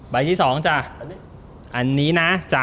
ที่๒จ้ะอันนี้นะจ้ะ